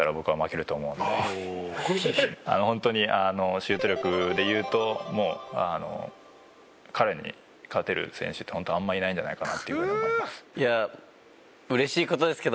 ホントにシュート力で言うともうあの彼に勝てる選手ってホントあんまりいないんじゃないかなというふうに思います。